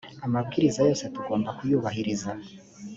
amabwiriza yose tugomba kuyubahiriza.